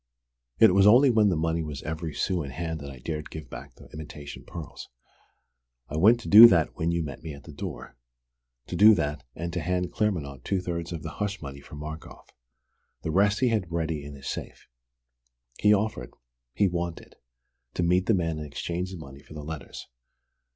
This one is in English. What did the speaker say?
It was only when the money was every sou in hand that I dared give back the imitation pearls. I went to do that when you met me at the door: to do that and to hand Claremanagh two thirds of the hush money for Markoff. The rest he had ready in his safe. He offered he wanted to meet the man and exchange the money for the letters.